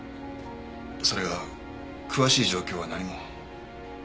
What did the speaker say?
それが詳しい状況は何も。